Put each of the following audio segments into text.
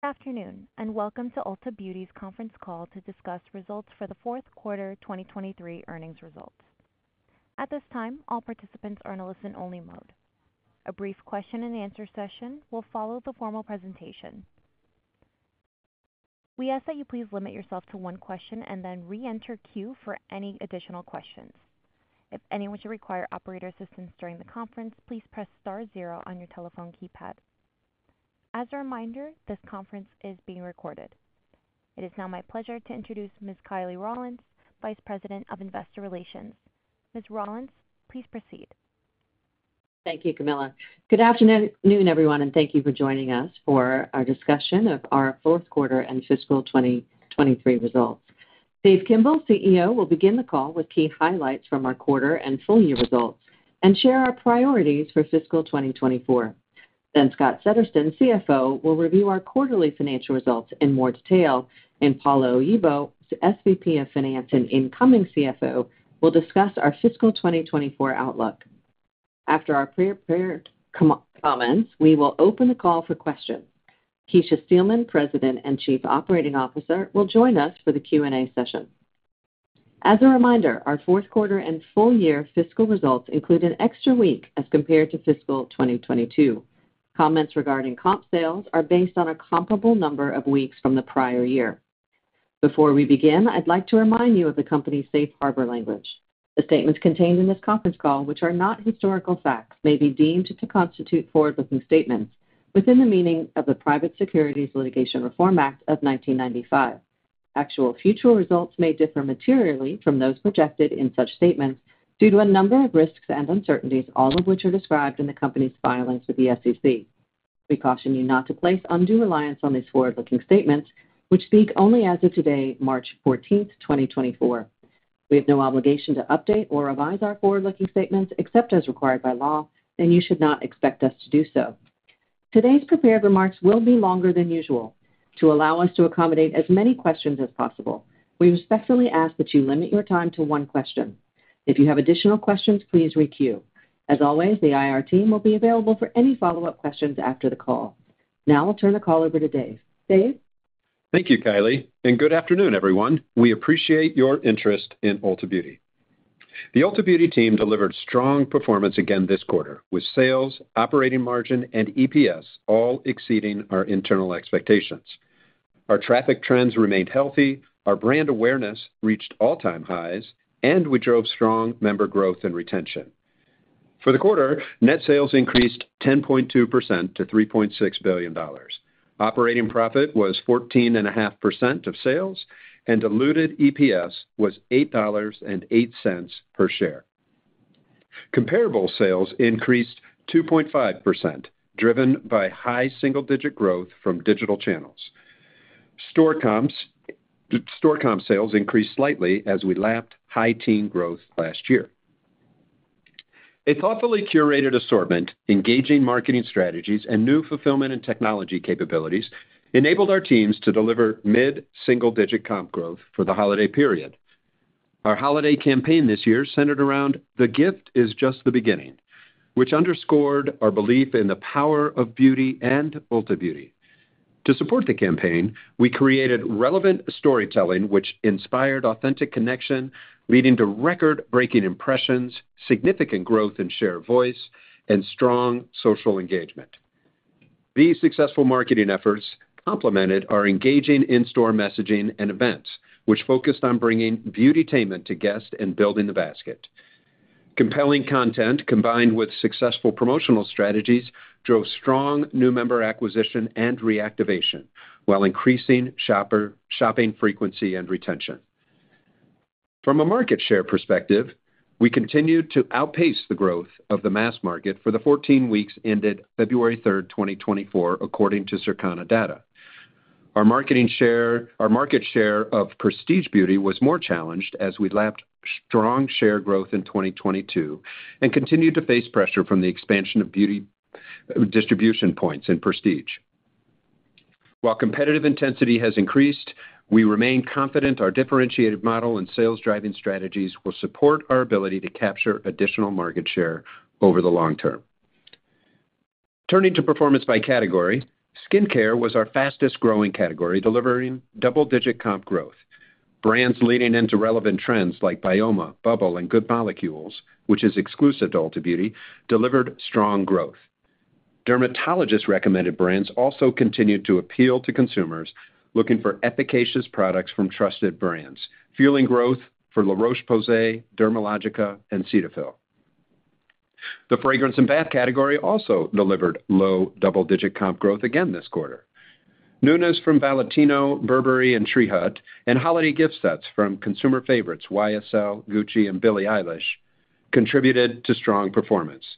Good afternoon and welcome to Ulta Beauty's conference call to discuss results for the fourth quarter 2023 earnings results. At this time, all participants are in a listen-only mode. A brief question-and-answer session will follow the formal presentation. We ask that you please limit yourself to one question and then re-enter queue for any additional questions. If anyone should require operator assistance during the conference, please press star zero on your telephone keypad. As a reminder, this conference is being recorded. It is now my pleasure to introduce Ms. Kiley Rawlins, Vice President of Investor Relations. Ms. Rawlins, please proceed. Thank you, Camilla. Good afternoon, everyone, and thank you for joining us for our discussion of our fourth quarter and fiscal 2023 results. Dave Kimbell, CEO, will begin the call with key highlights from our quarter and full-year results and share our priorities for fiscal 2024. Then Scott Settersten, CFO, will review our quarterly financial results in more detail, and Paula Oyibo, SVP of Finance and incoming CFO, will discuss our fiscal 2024 outlook. After our pre-comments, we will open the call for questions. Kecia Steelman, President and Chief Operating Officer, will join us for the Q&A session. As a reminder, our fourth quarter and full-year fiscal results include an extra week as compared to fiscal 2022. Comments regarding comp sales are based on a comparable number of weeks from the prior year. Before we begin, I'd like to remind you of the company's safe harbor language. The statements contained in this conference call, which are not historical facts, may be deemed to constitute forward-looking statements within the meaning of the Private Securities Litigation Reform Act of 1995. Actual future results may differ materially from those projected in such statements due to a number of risks and uncertainties, all of which are described in the company's filings with the SEC. We caution you not to place undue reliance on these forward-looking statements, which speak only as of today, March 14th, 2024. We have no obligation to update or revise our forward-looking statements except as required by law, and you should not expect us to do so. Today's prepared remarks will be longer than usual to allow us to accommodate as many questions as possible. We respectfully ask that you limit your time to one question. If you have additional questions, please requeue. As always, the IR team will be available for any follow-up questions after the call. Now I'll turn the call over to Dave. Dave? Thank you, Kiley, and good afternoon, everyone. We appreciate your interest in Ulta Beauty. The Ulta Beauty team delivered strong performance again this quarter, with sales, operating margin, and EPS all exceeding our internal expectations. Our traffic trends remained healthy, our brand awareness reached all-time highs, and we drove strong member growth and retention. For the quarter, net sales increased 10.2% to $3.6 billion. Operating profit was 14.5% of sales, and diluted EPS was $8.08 per share. Comparable sales increased 2.5%, driven by high single-digit growth from digital channels. Store comp sales increased slightly as we lapped high-teens growth last year. A thoughtfully curated assortment, engaging marketing strategies, and new fulfillment and technology capabilities enabled our teams to deliver mid-single-digit comp growth for the holiday period. Our holiday campaign this year centered around "The Gift Is Just the Beginning," which underscored our belief in the power of beauty and Ulta Beauty. To support the campaign, we created relevant storytelling which inspired authentic connection, leading to record-breaking impressions, significant growth in shared voice, and strong social engagement. These successful marketing efforts complemented our engaging in-store messaging and events, which focused on bringing beautytainment to guests and building the basket. Compelling content combined with successful promotional strategies drove strong new member acquisition and reactivation while increasing shopping frequency and retention. From a market share perspective, we continued to outpace the growth of the mass market for the 14 weeks ended February 3rd, 2024, according to Circana data. Our market share of Prestige Beauty was more challenged as we lapped strong share growth in 2022 and continued to face pressure from the expansion of beauty distribution points in Prestige. While competitive intensity has increased, we remain confident our differentiated model and sales-driving strategies will support our ability to capture additional market share over the long term. Turning to performance by category, skincare was our fastest-growing category, delivering double-digit comp growth. Brands leading into relevant trends like BYOMA, Bubble, and Good Molecules, which is exclusive to Ulta Beauty, delivered strong growth. Dermatologist-recommended brands also continued to appeal to consumers looking for efficacious products from trusted brands, fueling growth for La Roche-Posay, Dermalogica, and Cetaphil. The fragrance and bath category also delivered low double-digit comp growth again this quarter. Newness from Valentino, Burberry, and Tree Hut, and holiday gift sets from consumer favorites YSL, Gucci, and Billie Eilish contributed to strong performance.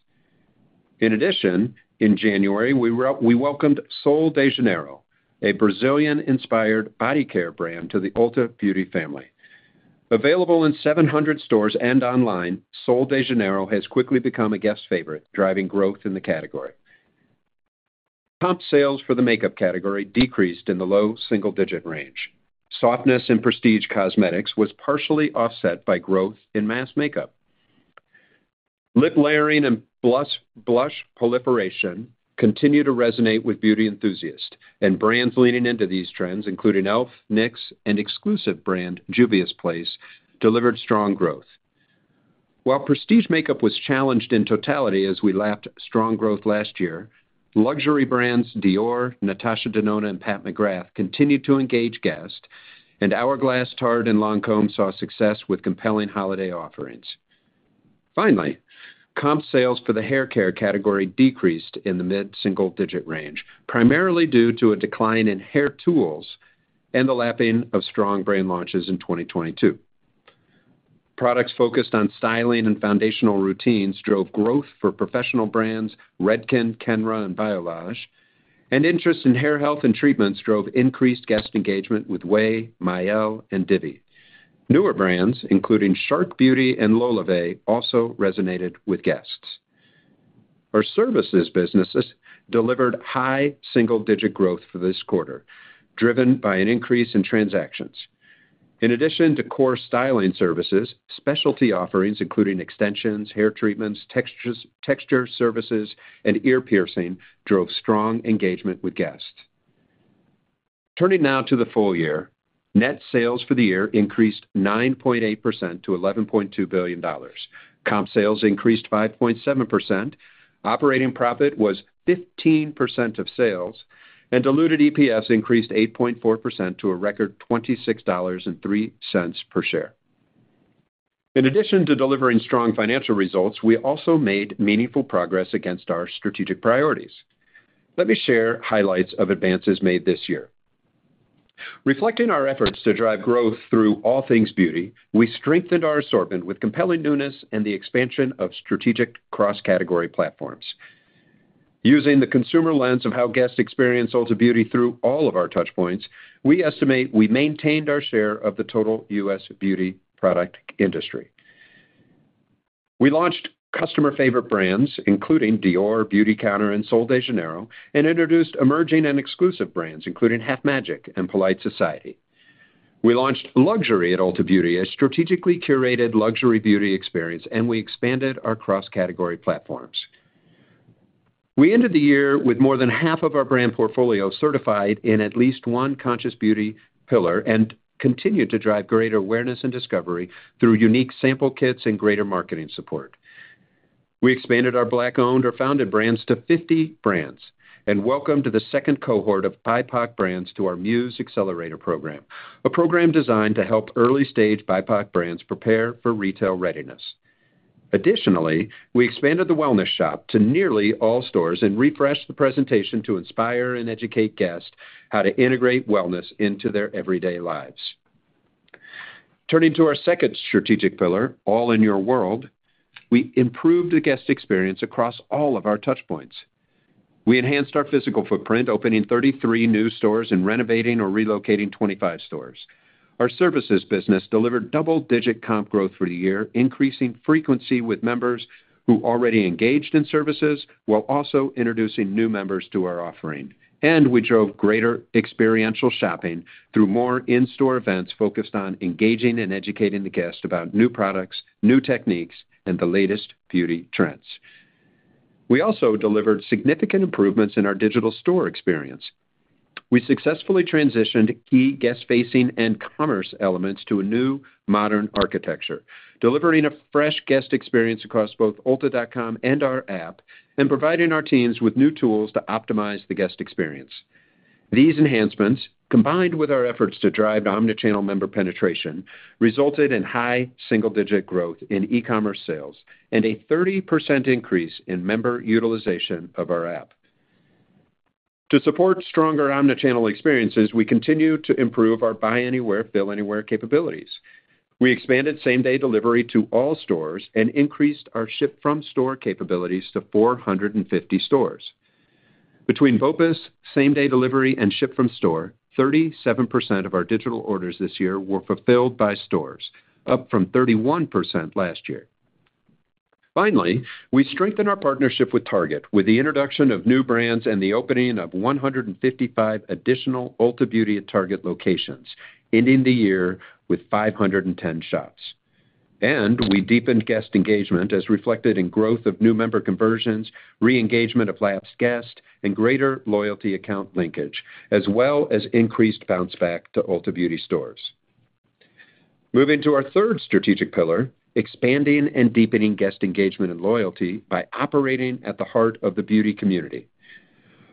In addition, in January, we welcomed Sol de Janeiro, a Brazilian-inspired body care brand to the Ulta Beauty family. Available in 700 stores and online, Sol de Janeiro has quickly become a guest favorite, driving growth in the category. Comp Sales for the makeup category decreased in the low single-digit range. Softness in Prestige Cosmetics was partially offset by growth in mass makeup. Lip layering and blush proliferation continue to resonate with beauty enthusiasts, and brands leaning into these trends, including e.l.f., NYX, and exclusive brand Juvia's Place, delivered strong growth. While Prestige makeup was challenged in totality as we lapped strong growth last year, luxury brands Dior, Natasha Denona, and Pat McGrath continued to engage guests, and Hourglass, Tarte, and Lancôme saw success with compelling holiday offerings. Finally, comp sales for the hair care category decreased in the mid-single-digit range, primarily due to a decline in hair tools and the lapping of strong brand launches in 2022. Products focused on styling and foundational routines drove growth for professional brands Redken, Kenra, and Biolage, and interest in hair health and treatments drove increased guest engagement with OUAI, Mielle, and Divi. Newer brands, including Shark Beauty and LolaVie, also resonated with guests. Our services businesses delivered high single-digit growth for this quarter, driven by an increase in transactions. In addition to core styling services, specialty offerings including extensions, hair treatments, texture services, and ear piercing drove strong engagement with guests. Turning now to the full year, net sales for the year increased 9.8% to $11.2 billion. Comp sales increased 5.7%. Operating profit was 15% of sales, and diluted EPS increased 8.4% to a record $26.03 per share. In addition to delivering strong financial results, we also made meaningful progress against our strategic priorities. Let me share highlights of advances made this year. Reflecting our efforts to drive growth through all things beauty, we strengthened our assortment with compelling newness and the expansion of strategic cross-category platforms. Using the consumer lens of how guests experience Ulta Beauty through all of our touchpoints, we estimate we maintained our share of the total U.S. beauty product industry. We launched customer-favorite brands, including Dior, Beautycounter, and Sol de Janeiro, and introduced emerging and exclusive brands, including Half Magic and Polite Society. We launched Luxury at Ulta Beauty, a strategically curated luxury beauty experience, and we expanded our cross-category platforms. We ended the year with more than half of our brand portfolio certified in at least one Conscious Beauty pillar and continued to drive greater awareness and discovery through unique sample kits and greater marketing support. We expanded our Black-owned or founded brands to 50 brands and welcomed the second cohort of BIPOC brands to our Muse Accelerator program, a program designed to help early-stage BIPOC brands prepare for retail readiness. Additionally, we expanded the Wellness Shop to nearly all stores and refreshed the presentation to inspire and educate guests how to integrate wellness into their everyday lives. Turning to our second strategic pillar, All in Your World, we improved the guest experience across all of our touchpoints. We enhanced our physical footprint, opening 33 new stores and renovating or relocating 25 stores. Our services business delivered double-digit comp growth for the year, increasing frequency with members who already engaged in services while also introducing new members to our offering. We drove greater experiential shopping through more in-store events focused on engaging and educating the guest about new products, new techniques, and the latest beauty trends. We also delivered significant improvements in our digital store experience. We successfully transitioned key guest-facing and commerce elements to a new modern architecture, delivering a fresh guest experience across both ulta.com and our app and providing our teams with new tools to optimize the guest experience. These enhancements, combined with our efforts to drive omnichannel member penetration, resulted in high single-digit growth in e-commerce sales and a 30% increase in member utilization of our app. To support stronger omnichannel experiences, we continue to improve our Buy Anywhere, Fill Anywhere capabilities. We expanded same-day delivery to all stores and increased our ship-from-store capabilities to 450 stores. Between BOPIS, same-day delivery, and ship-from-store, 37% of our digital orders this year were fulfilled by stores, up from 31% last year. Finally, we strengthened our partnership with Target with the introduction of new brands and the opening of 155 additional Ulta Beauty at Target locations, ending the year with 510 shops. We deepened guest engagement as reflected in growth of new member conversions, re-engagement of lapsed guests, and greater loyalty account linkage, as well as increased bounce-back to Ulta Beauty stores. Moving to our third strategic pillar, expanding and deepening guest engagement and loyalty by operating at the heart of the beauty community.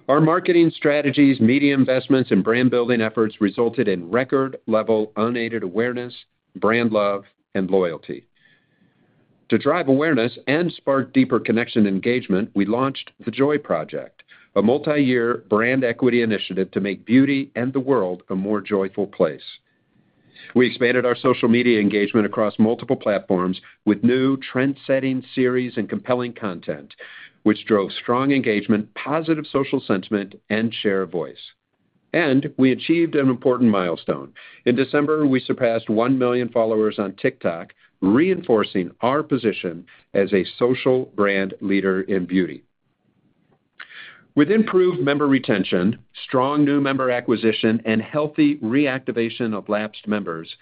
Our marketing strategies, media investments, and brand-building efforts resulted in record-level unaided awareness, brand love, and loyalty. To drive awareness and spark deeper connection and engagement, we launched The Joy Project, a multi-year brand equity initiative to make beauty and the world a more joyful place. We expanded our social media engagement across multiple platforms with new trend-setting series and compelling content, which drove strong engagement, positive social sentiment, and shared voice. We achieved an important milestone. In December, we surpassed 1 million followers on TikTok, reinforcing our position as a social brand leader in beauty. With improved member retention, strong new member acquisition, and healthy reactivation of lapsed members,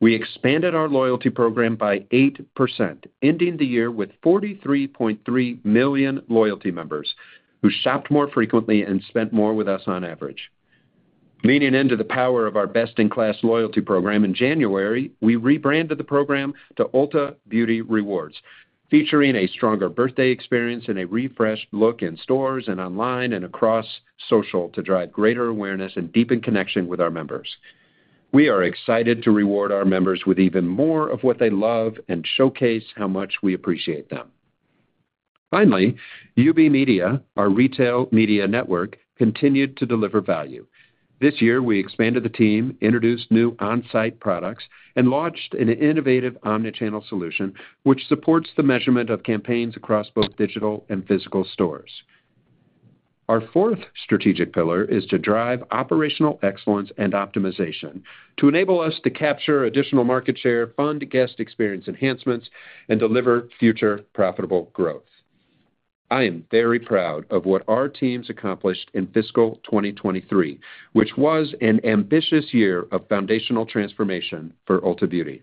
we expanded our loyalty program by 8%, ending the year with 43.3 million loyalty members who shopped more frequently and spent more with us on average. Leaning into the power of our best-in-class loyalty program in January, we rebranded the program to Ulta Beauty Rewards, featuring a stronger birthday experience and a refreshed look in stores and online and across social to drive greater awareness and deepen connection with our members. We are excited to reward our members with even more of what they love and showcase how much we appreciate them. Finally, UB Media, our retail media network, continued to deliver value. This year, we expanded the team, introduced new on-site products, and launched an innovative omnichannel solution which supports the measurement of campaigns across both digital and physical stores. Our fourth strategic pillar is to drive operational excellence and optimization to enable us to capture additional market share, fund guest experience enhancements, and deliver future profitable growth. I am very proud of what our teams accomplished in fiscal 2023, which was an ambitious year of foundational transformation for Ulta Beauty.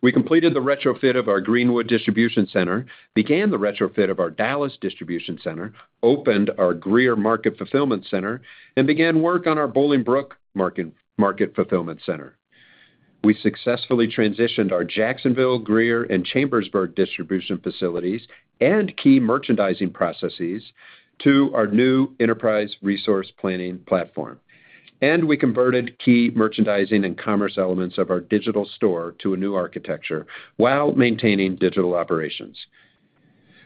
We completed the retrofit of our Greenwood Distribution Center, began the retrofit of our Dallas Distribution Center, opened our Greer Market Fulfillment Center, and began work on our Bolingbrook Market Fulfillment Center. We successfully transitioned our Jacksonville, Greer, and Chambersburg distribution facilities and key merchandising processes to our new Enterprise Resource Planning platform. We converted key merchandising and commerce elements of our Digital Store to a new architecture while maintaining digital operations.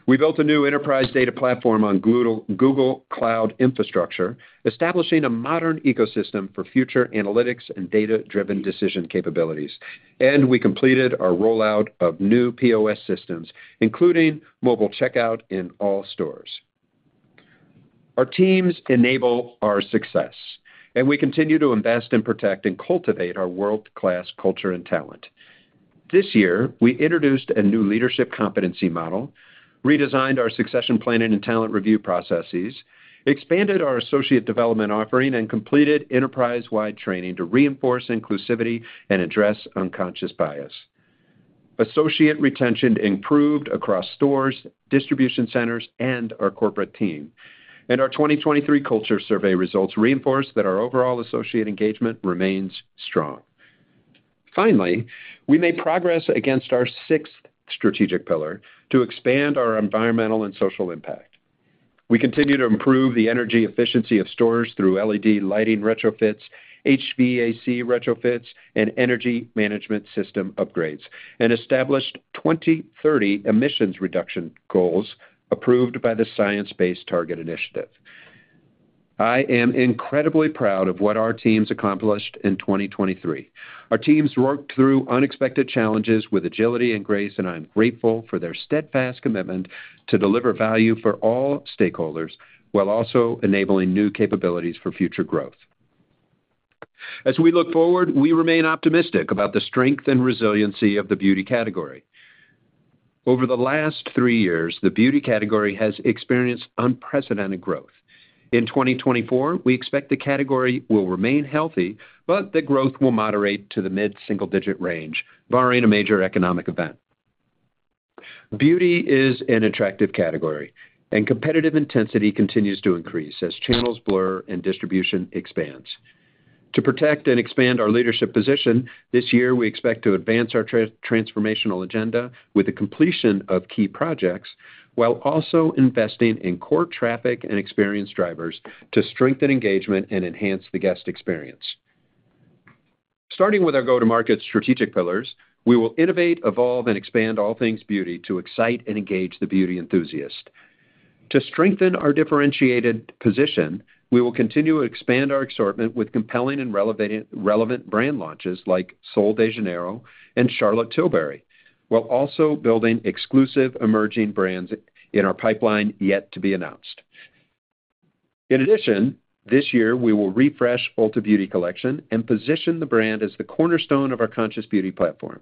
We built a new enterprise data platform on Google Cloud infrastructure, establishing a modern ecosystem for future analytics and data-driven decision capabilities. We completed our rollout of new POS systems, including mobile checkout in all stores. Our teams enable our success, and we continue to invest in protecting and cultivating our world-class culture and talent. This year, we introduced a new leadership competency model, redesigned our succession planning and talent review processes, expanded our associate development offering, and completed enterprise-wide training to reinforce inclusivity and address unconscious bias. Associate retention improved across stores, distribution centers, and our corporate team. Our 2023 culture survey results reinforce that our overall associate engagement remains strong. Finally, we made progress against our sixth strategic pillar to expand our environmental and social impact. We continue to improve the energy efficiency of stores through LED lighting retrofits, HVAC retrofits, and energy management system upgrades, and established 2030 emissions reduction goals approved by the Science-Based Targets initiative. I am incredibly proud of what our teams accomplished in 2023. Our teams worked through unexpected challenges with agility and grace, and I'm grateful for their steadfast commitment to deliver value for all stakeholders while also enabling new capabilities for future growth. As we look forward, we remain optimistic about the strength and resiliency of the beauty category. Over the last three years, the beauty category has experienced unprecedented growth. In 2024, we expect the category will remain healthy, but that growth will moderate to the mid-single-digit range, barring a major economic event. Beauty is an attractive category, and competitive intensity continues to increase as channels blur and distribution expands. To protect and expand our leadership position, this year, we expect to advance our transformational agenda with the completion of key projects while also investing in core traffic and experience drivers to strengthen engagement and enhance the guest experience. Starting with our go-to-market strategic pillars, we will innovate, evolve, and expand all things beauty to excite and engage the beauty enthusiast. To strengthen our differentiated position, we will continue to expand our assortment with compelling and relevant brand launches like Sol de Janeiro and Charlotte Tilbury while also building exclusive emerging brands in our pipeline yet to be announced. In addition, this year, we will refresh Ulta Beauty Collection and position the brand as the cornerstone of our Conscious Beauty platform.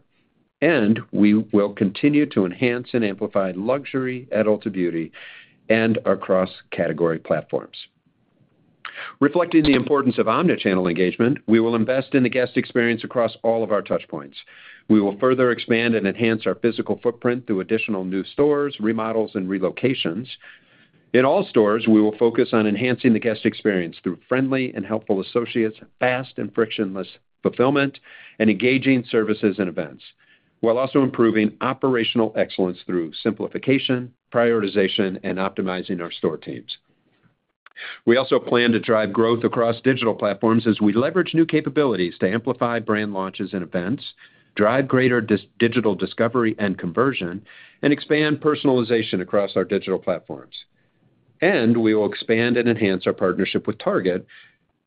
We will continue to enhance and amplify Luxury at Ulta Beauty and across category platforms. Reflecting the importance of omnichannel engagement, we will invest in the guest experience across all of our touchpoints. We will further expand and enhance our physical footprint through additional new stores, remodels, and relocations. In all stores, we will focus on enhancing the guest experience through friendly and helpful associates, fast and frictionless fulfillment, and engaging services and events while also improving operational excellence through simplification, prioritization, and optimizing our store teams. We also plan to drive growth across digital platforms as we leverage new capabilities to amplify brand launches and events, drive greater digital discovery and conversion, and expand personalization across our digital platforms. We will expand and enhance our partnership with Target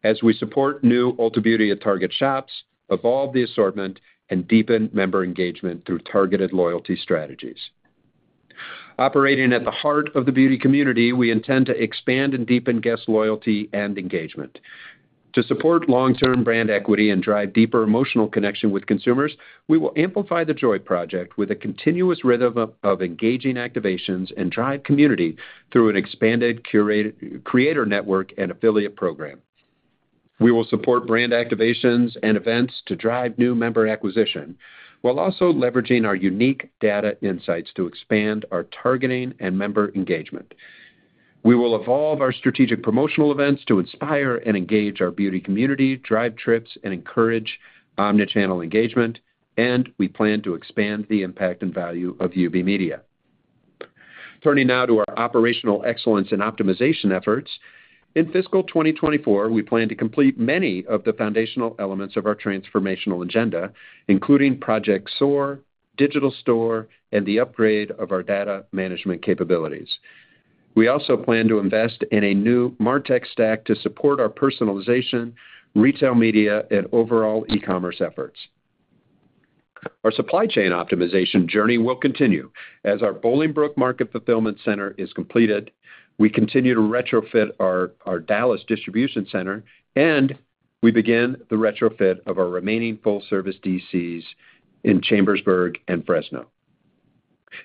as we support new Ulta Beauty at Target shops, evolve the assortment, and deepen member engagement through targeted loyalty strategies. Operating at the heart of the beauty community, we intend to expand and deepen guest loyalty and engagement. To support long-term brand equity and drive deeper emotional connection with consumers, we will amplify The Joy Project with a continuous rhythm of engaging activations and drive community through an expanded creator network and affiliate program. We will support brand activations and events to drive new member acquisition while also leveraging our unique data insights to expand our targeting and member engagement. We will evolve our strategic promotional events to inspire and engage our beauty community, drive trips, and encourage omnichannel engagement. And we plan to expand the impact and value of UB Media. Turning now to our operational excellence and optimization efforts, in fiscal 2024, we plan to complete many of the foundational elements of our transformational agenda, including Project SOAR, Digital Store, and the upgrade of our data management capabilities. We also plan to invest in a new MarTech stack to support our personalization, retail media, and overall e-commerce efforts. Our supply chain optimization journey will continue as our Bolingbrook Market Fulfillment Center is completed. We continue to retrofit our Dallas Distribution Center, and we begin the retrofit of our remaining full-service DCs in Chambersburg and Fresno.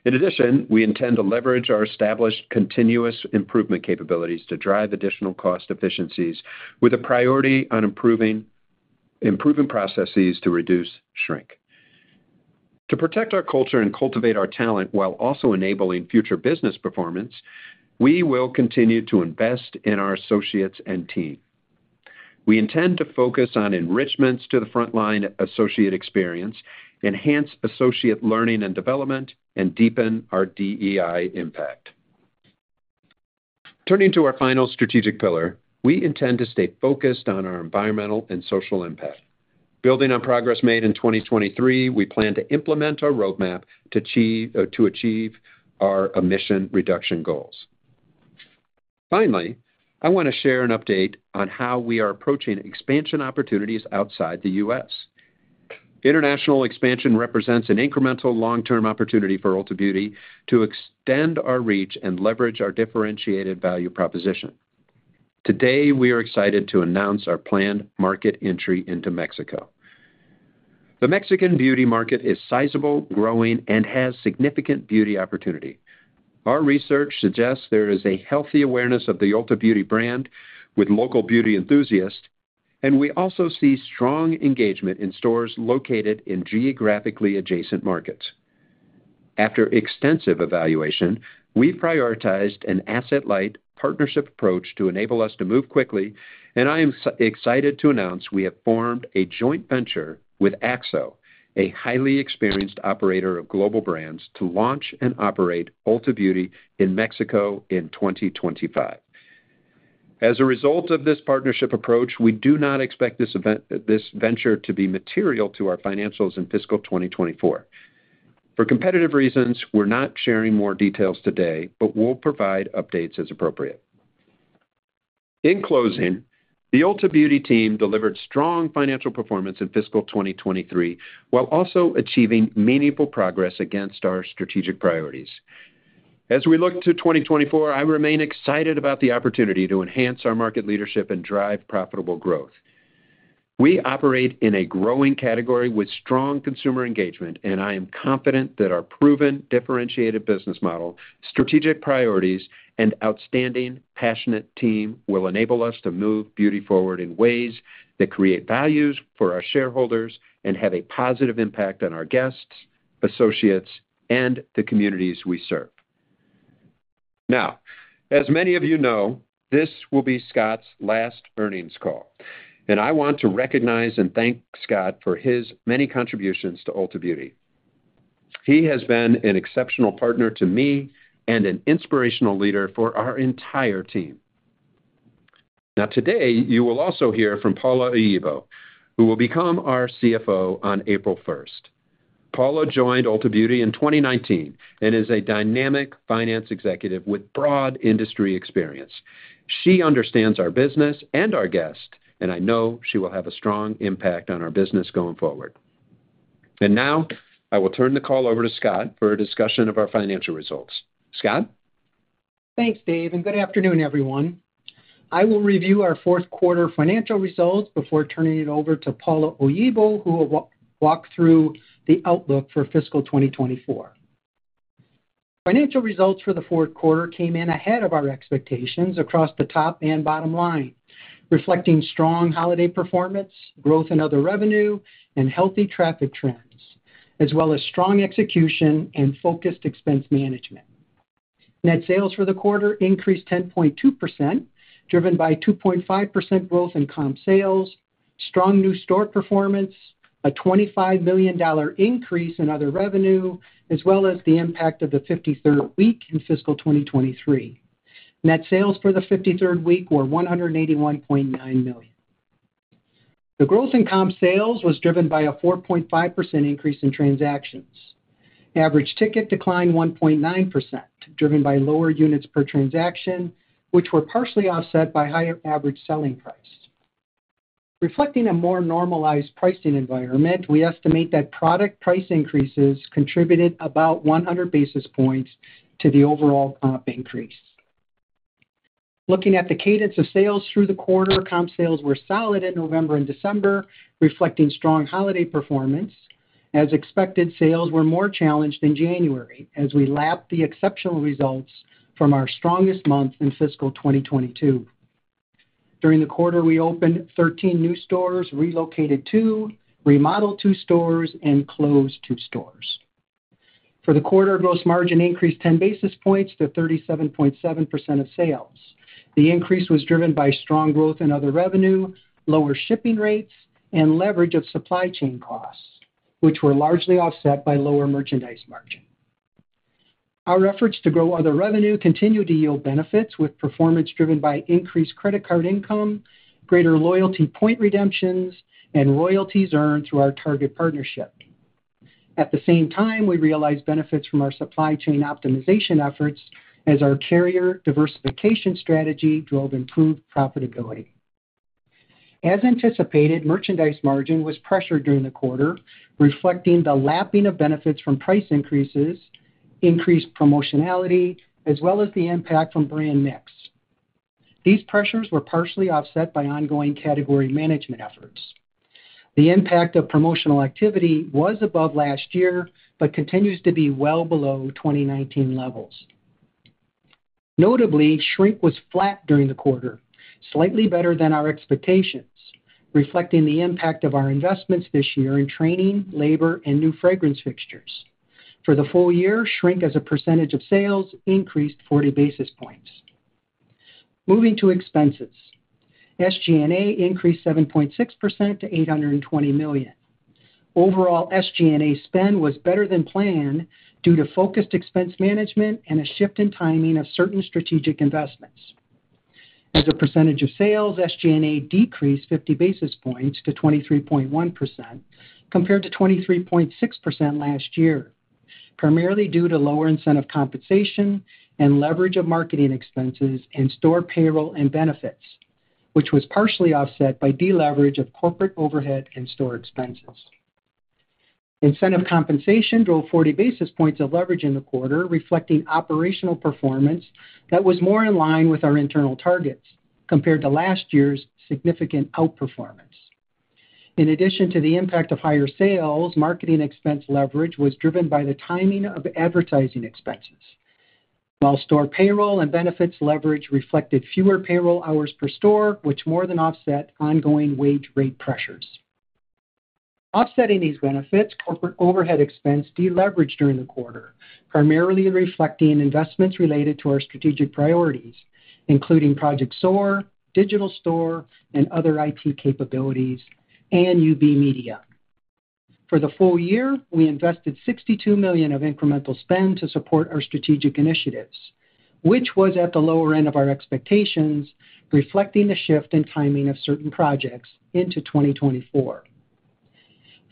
In addition, we intend to leverage our established continuous improvement capabilities to drive additional cost efficiencies with a priority on improving processes to reduce shrink. To protect our culture and cultivate our talent while also enabling future business performance, we will continue to invest in our associates and team. We intend to focus on enrichments to the frontline associate experience, enhance associate learning and development, and deepen our DEI impact. Turning to our final strategic pillar, we intend to stay focused on our environmental and social impact. Building on progress made in 2023, we plan to implement our roadmap to achieve our emission reduction goals. Finally, I want to share an update on how we are approaching expansion opportunities outside the U.S. International expansion represents an incremental long-term opportunity for Ulta Beauty to extend our reach and leverage our differentiated value proposition. Today, we are excited to announce our planned market entry into Mexico. The Mexican beauty market is sizable, growing, and has significant beauty opportunity. Our research suggests there is a healthy awareness of the Ulta Beauty brand with local beauty enthusiasts, and we also see strong engagement in stores located in geographically adjacent markets. After extensive evaluation, we've prioritized an asset-light partnership approach to enable us to move quickly, and I am excited to announce we have formed a joint venture with AXO, a highly experienced operator of global brands, to launch and operate Ulta Beauty in Mexico in 2025. As a result of this partnership approach, we do not expect this venture to be material to our financials in fiscal 2024. For competitive reasons, we're not sharing more details today, but we'll provide updates as appropriate. In closing, the Ulta Beauty team delivered strong financial performance in fiscal 2023 while also achieving meaningful progress against our strategic priorities. As we look to 2024, I remain excited about the opportunity to enhance our market leadership and drive profitable growth. We operate in a growing category with strong consumer engagement, and I am confident that our proven differentiated business model, strategic priorities, and outstanding, passionate team will enable us to move beauty forward in ways that create values for our shareholders and have a positive impact on our guests, associates, and the communities we serve. Now, as many of you know, this will be Scott's last earnings call. I want to recognize and thank Scott for his many contributions to Ulta Beauty. He has been an exceptional partner to me and an inspirational leader for our entire team. Now, today, you will also hear from Paula Oyibo, who will become our CFO on April 1st. Paula joined Ulta Beauty in 2019 and is a dynamic finance executive with broad industry experience. She understands our business and our guest, and I know she will have a strong impact on our business going forward. Now, I will turn the call over to Scott for a discussion of our financial results. Scott? Thanks, Dave, and good afternoon, everyone. I will review our fourth quarter financial results before turning it over to Paula Oyibo, who will walk through the outlook for fiscal 2024. Financial results for the fourth quarter came in ahead of our expectations across the top and bottom line, reflecting strong holiday performance, growth in other revenue, and healthy traffic trends, as well as strong execution and focused expense management. Net sales for the quarter increased 10.2%, driven by 2.5% growth in comp sales, strong new store performance, a $25 million increase in other revenue, as well as the impact of the 53rd week in fiscal 2023. Net sales for the 53rd week were $181.9 million. The growth in comp sales was driven by a 4.5% increase in transactions. Average ticket declined 1.9%, driven by lower units per transaction, which were partially offset by higher average selling price. Reflecting a more normalized pricing environment, we estimate that product price increases contributed about 100 basis points to the overall comp increase. Looking at the cadence of sales through the quarter, comp sales were solid in November and December, reflecting strong holiday performance. As expected, sales were more challenged in January as we lapped the exceptional results from our strongest month in fiscal 2022. During the quarter, we opened 13 new stores, relocated two, remodeled two stores, and closed two stores. For the quarter, gross margin increased 10 basis points to 37.7% of sales. The increase was driven by strong growth in other revenue, lower shipping rates, and leverage of supply chain costs, which were largely offset by lower merchandise margin. Our efforts to grow other revenue continue to yield benefits with performance driven by increased credit card income, greater loyalty point redemptions, and royalties earned through our Target partnership. At the same time, we realized benefits from our supply chain optimization efforts as our carrier diversification strategy drove improved profitability. As anticipated, merchandise margin was pressured during the quarter, reflecting the lapping of benefits from price increases, increased promotionality, as well as the impact from brand mix. These pressures were partially offset by ongoing category management efforts. The impact of promotional activity was above last year but continues to be well below 2019 levels. Notably, shrink was flat during the quarter, slightly better than our expectations, reflecting the impact of our investments this year in training, labor, and new fragrance fixtures. For the full year, shrink as a percentage of sales increased 40 basis points. Moving to expenses, SG&A increased 7.6% to $820 million. Overall, SG&A spend was better than planned due to focused expense management and a shift in timing of certain strategic investments. As a percentage of sales, SG&A decreased 50 basis points to 23.1% compared to 23.6% last year, primarily due to lower incentive compensation and leverage of marketing expenses and store payroll and benefits, which was partially offset by deleverage of corporate overhead and store expenses. Incentive compensation drove 40 basis points of leverage in the quarter, reflecting operational performance that was more in line with our internal targets compared to last year's significant outperformance. In addition to the impact of higher sales, marketing expense leverage was driven by the timing of advertising expenses, while store payroll and benefits leverage reflected fewer payroll hours per store, which more than offset ongoing wage rate pressures. Offsetting these benefits, corporate overhead expense deleveraged during the quarter, primarily reflecting investments related to our strategic priorities, including Project SOAR, Digital Store, and other IT capabilities, and UB Media. For the full year, we invested $62 million of incremental spend to support our strategic initiatives, which was at the lower end of our expectations, reflecting the shift in timing of certain projects into 2024.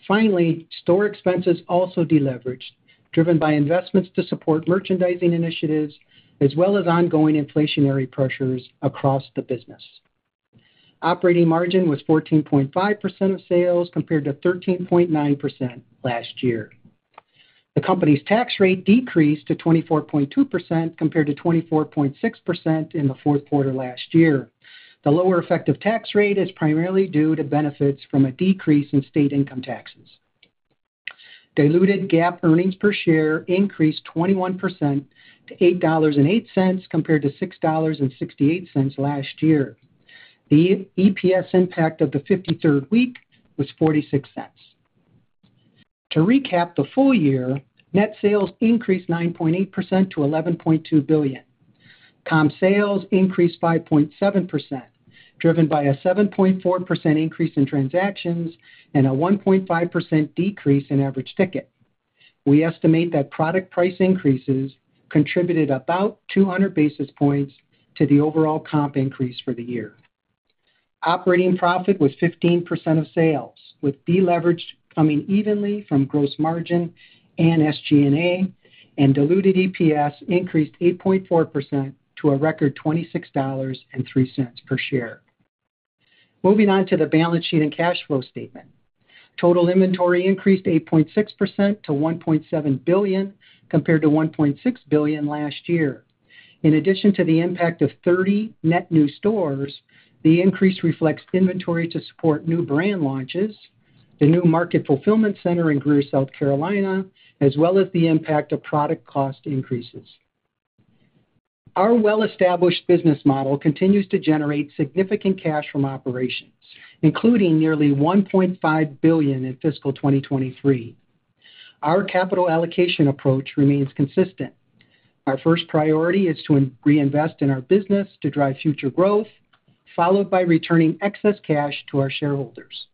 Finally, store expenses also deleveraged, driven by investments to support merchandising initiatives, as well as ongoing inflationary pressures across the business. Operating margin was 14.5% of sales compared to 13.9% last year. The company's tax rate decreased to 24.2% compared to 24.6% in the fourth quarter last year. The lower effective tax rate is primarily due to benefits from a decrease in state income taxes. Diluted GAAP earnings per share increased 21% to $8.08 compared to $6.68 last year. The EPS impact of the 53rd week was $0.46. To recap the full year, net sales increased 9.8% to $11.2 billion. Comp sales increased 5.7%, driven by a 7.4% increase in transactions and a 1.5% decrease in average ticket. We estimate that product price increases contributed about 200 basis points to the overall comp increase for the year. Operating profit was 15% of sales, with deleveraged coming evenly from gross margin and SG&A, and diluted EPS increased 8.4% to a record $26.03 per share. Moving on to the balance sheet and cash flow statement, total inventory increased 8.6% to $1.7 billion compared to $1.6 billion last year. In addition to the impact of 30 net new stores, the increase reflects inventory to support new brand launches, the new Market Fulfillment Center in Greer, South Carolina, as well as the impact of product cost increases. Our well-established business model continues to generate significant cash from operations, including nearly $1.5 billion in fiscal 2023. Our capital allocation approach remains consistent. Our first priority is to reinvest in our business to drive future growth, followed by returning excess cash to our shareholders.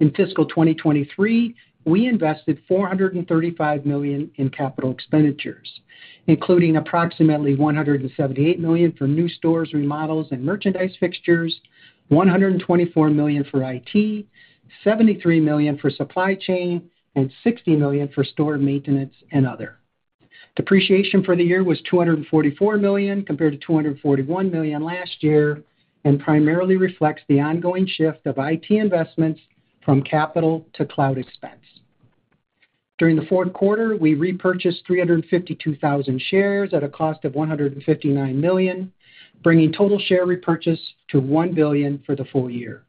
In fiscal 2023, we invested $435 million in capital expenditures, including approximately $178 million for new stores, remodels, and merchandise fixtures, $124 million for IT, $73 million for supply chain, and $60 million for store maintenance and other. Depreciation for the year was $244 million compared to $241 million last year and primarily reflects the ongoing shift of IT investments from capital to cloud expense. During the fourth quarter, we repurchased 352,000 shares at a cost of $159 million, bringing total share repurchase to $1 billion for the full year.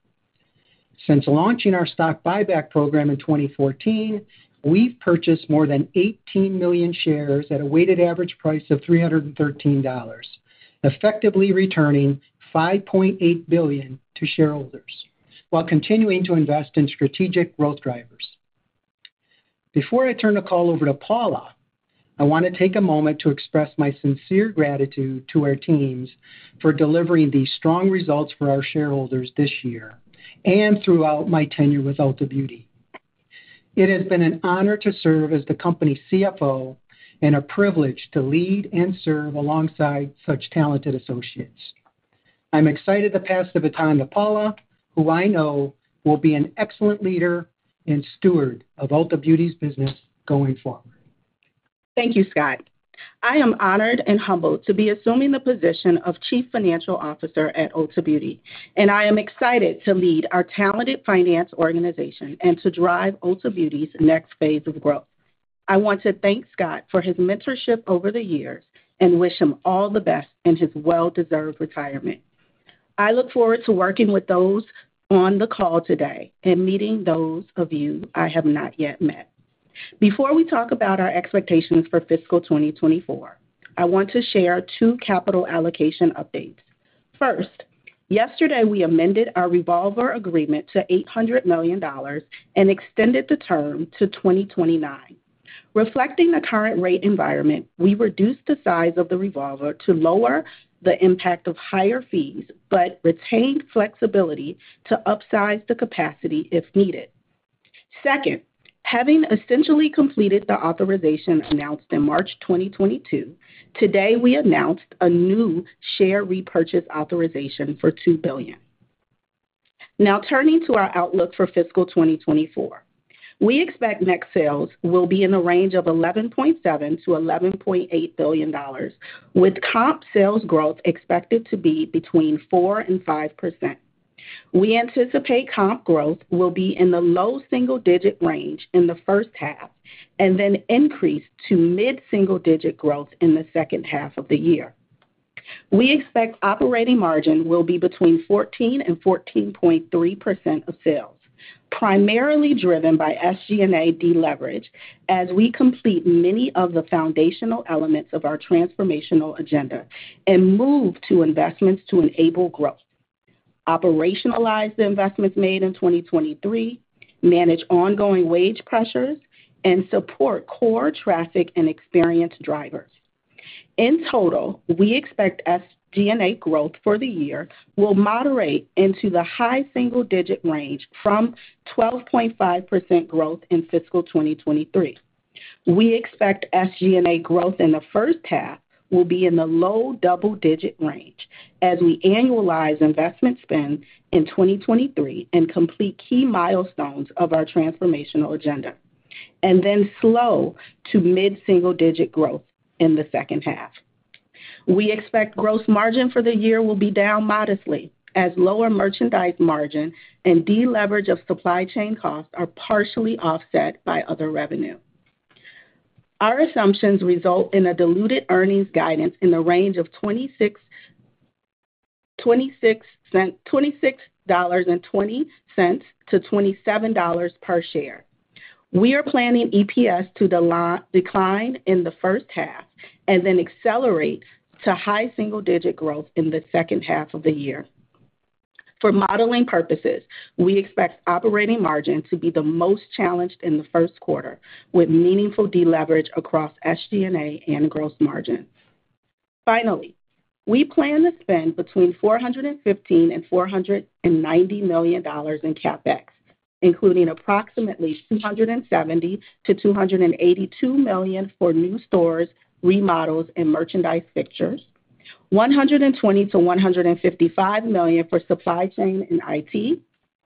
Since launching our stock buyback program in 2014, we've purchased more than 18 million shares at a weighted average price of $313, effectively returning $5.8 billion to shareholders while continuing to invest in strategic growth drivers. Before I turn the call over to Paula, I want to take a moment to express my sincere gratitude to our teams for delivering these strong results for our shareholders this year and throughout my tenure with Ulta Beauty. It has been an honor to serve as the company's CFO and a privilege to lead and serve alongside such talented associates. I'm excited to pass the baton to Paula, who I know will be an excellent leader and steward of Ulta Beauty's business going forward. Thank you, Scott. I am honored and humbled to be assuming the position of Chief Financial Officer at Ulta Beauty, and I am excited to lead our talented finance organization and to drive Ulta Beauty's next phase of growth. I want to thank Scott for his mentorship over the years and wish him all the best in his well-deserved retirement. I look forward to working with those on the call today and meeting those of you I have not yet met. Before we talk about our expectations for fiscal 2024, I want to share two capital allocation updates. First, yesterday, we amended our revolver agreement to $800 million and extended the term to 2029. Reflecting the current rate environment, we reduced the size of the revolver to lower the impact of higher fees but retained flexibility to upsize the capacity if needed. Second, having essentially completed the authorization announced in March 2022, today we announced a new share repurchase authorization for $2 billion. Now, turning to our outlook for fiscal 2024, we expect net sales will be in the range of $11.7 billion-$11.8 billion, with comp sales growth expected to be between 4% and 5%. We anticipate comp growth will be in the low single-digit range in the first half and then increase to mid-single-digit growth in the second half of the year. We expect operating margin will be between 14% and 14.3% of sales, primarily driven by SG&A deleverage as we complete many of the foundational elements of our transformational agenda and move to investments to enable growth, operationalize the investments made in 2023, manage ongoing wage pressures, and support core traffic and experience drivers. In total, we expect SG&A growth for the year will moderate into the high single-digit range from 12.5% growth in fiscal 2023. We expect SG&A growth in the first half will be in the low double-digit range as we annualize investment spend in 2023 and complete key milestones of our transformational agenda, and then slow to mid-single-digit growth in the second half. We expect gross margin for the year will be down modestly as lower merchandise margin and deleverage of supply chain costs are partially offset by other revenue. Our assumptions result in a diluted earnings guidance in the range of $26.20-$27 per share. We are planning EPS to decline in the first half and then accelerate to high single-digit growth in the second half of the year. For modeling purposes, we expect operating margin to be the most challenged in the first quarter, with meaningful deleverage across SG&A and gross margin. Finally, we plan to spend between $415 million-$490 million in CapEx, including approximately $270 million-$282 million for new stores, remodels, and merchandise fixtures, $120 million-$155 million for supply chain and IT,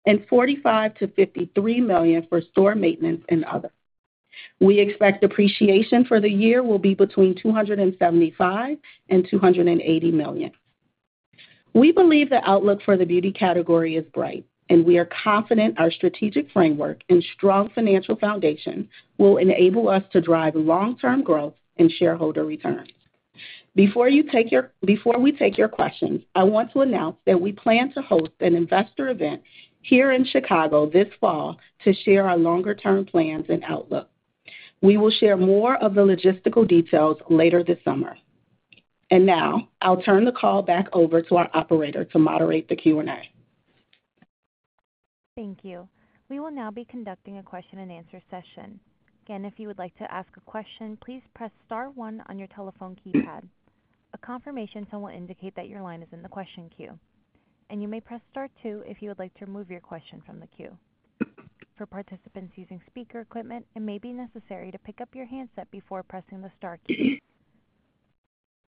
and $45 million-$53 million for store maintenance and other. We expect depreciation for the year will be between $275 million-$280 million. We believe the outlook for the beauty category is bright, and we are confident our strategic framework and strong financial foundation will enable us to drive long-term growth and shareholder returns. Before we take your questions, I want to announce that we plan to host an investor event here in Chicago this fall to share our longer-term plans and outlook. We will share more of the logistical details later this summer. Now, I'll turn the call back over to our operator to moderate the Q&A. Thank you. We will now be conducting a question-and-answer session. Again, if you would like to ask a question, please press star one on your telephone keypad. A confirmation tone will indicate that your line is in the question queue, and you may press star two if you would like to remove your question from the queue. For participants using speaker equipment, it may be necessary to pick up your handset before pressing the star key.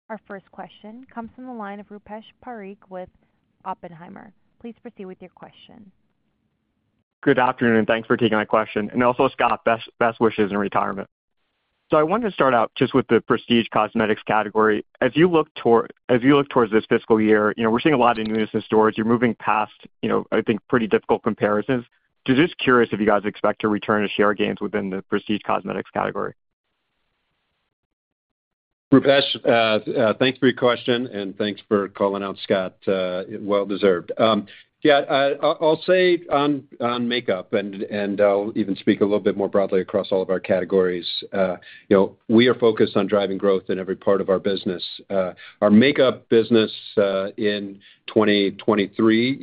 Our first question comes from the line of Rupesh Parikh with Oppenheimer. Please proceed with your question. Good afternoon. Thanks for taking my question. Also, Scott, best wishes in retirement. I wanted to start out just with the prestige cosmetics category. As you look towards this fiscal year, we're seeing a lot of newness in stores. You're moving past, I think, pretty difficult comparisons. Just curious if you guys expect to return to share gains within the prestige cosmetics category? Rupesh, thanks for your question, and thanks for calling out Scott. Well-deserved. Yeah, I'll say on makeup, and I'll even speak a little bit more broadly across all of our categories. We are focused on driving growth in every part of our business. Our makeup business in 2023,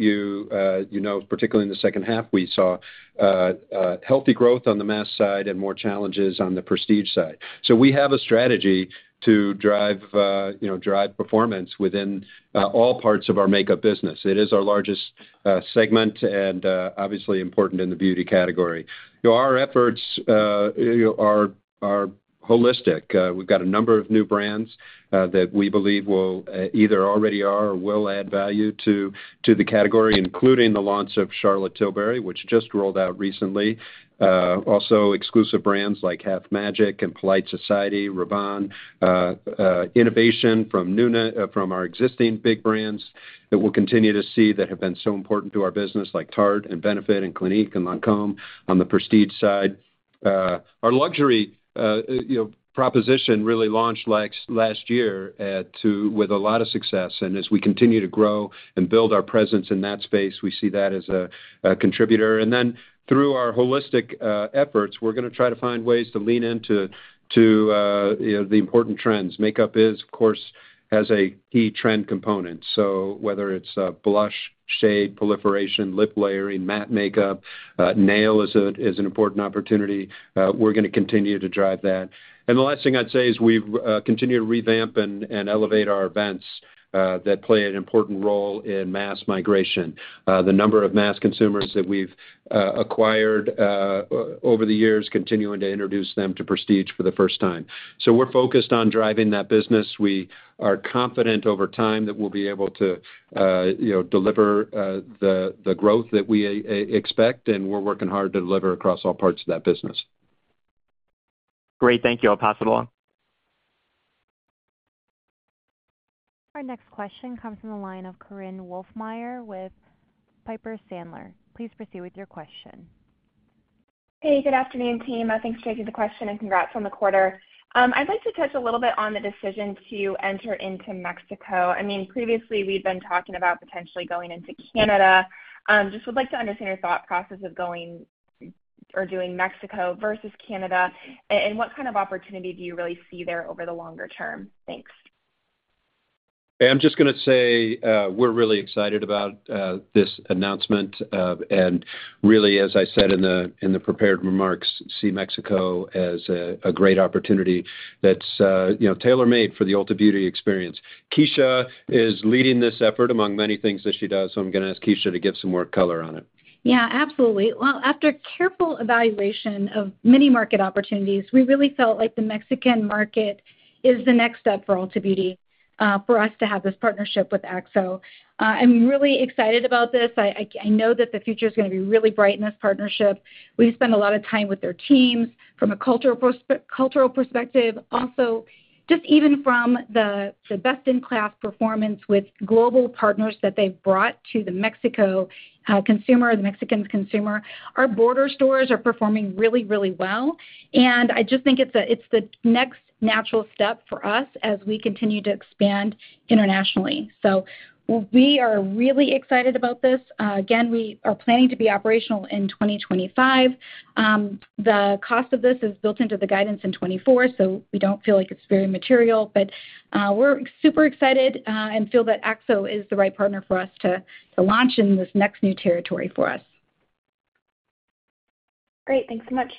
particularly in the second half, we saw healthy growth on the mass side and more challenges on the prestige side. So we have a strategy to drive performance within all parts of our makeup business. It is our largest segment and obviously important in the beauty category. Our efforts are holistic. We've got a number of new brands that we believe either already are or will add value to the category, including the launch of Charlotte Tilbury, which just rolled out recently. Also, exclusive brands like Half Magic and Polite Society, Rabanne, innovation from our existing big brands that we'll continue to see that have been so important to our business, like Tarte and Benefit and Clinique and Lancôme on the prestige side. Our luxury proposition really launched last year with a lot of success. And as we continue to grow and build our presence in that space, we see that as a contributor. And then through our holistic efforts, we're going to try to find ways to lean into the important trends. Makeup is, of course, has a key trend component. So whether it's blush, shade, proliferation, lip layering, matte makeup, nail is an important opportunity. We're going to continue to drive that. And the last thing I'd say is we continue to revamp and elevate our events that play an important role in mass migration. The number of mass consumers that we've acquired over the years continuing to introduce them to prestige for the first time. So we're focused on driving that business. We are confident over time that we'll be able to deliver the growth that we expect, and we're working hard to deliver across all parts of that business. Great. Thank you. I'll pass it along. Our next question comes from the line of Korinne Wolfmeyer with Piper Sandler. Please proceed with your question. Hey, good afternoon, team. Thanks for taking the question, and congrats on the quarter. I'd like to touch a little bit on the decision to enter into Mexico. I mean, previously, we'd been talking about potentially going into Canada. Just would like to understand your thought process of going or doing Mexico versus Canada, and what kind of opportunity do you really see there over the longer term? Thanks. Hey, I'm just going to say we're really excited about this announcement. Really, as I said in the prepared remarks, see Mexico as a great opportunity that's tailor-made for the Ulta Beauty experience. Kecia is leading this effort among many things that she does, so I'm going to ask Kecia to give some more color on it. Yeah, absolutely. Well, after careful evaluation of many market opportunities, we really felt like the Mexican market is the next step for Ulta Beauty, for us to have this partnership with AXO. I'm really excited about this. I know that the future is going to be really bright in this partnership. We've spent a lot of time with their teams from a cultural perspective. Also, just even from the best-in-class performance with global partners that they've brought to the Mexico consumer, the Mexican consumer, our border stores are performing really, really well. And I just think it's the next natural step for us as we continue to expand internationally. So we are really excited about this. Again, we are planning to be operational in 2025. The cost of this is built into the guidance in 2024, so we don't feel like it's very material. But we're super excited and feel that AXO is the right partner for us to launch in this next new territory for us. Great. Thanks so much.